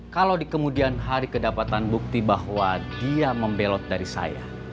kalau di kemudian hari kedapatan bukti bahwa dia membelot dari saya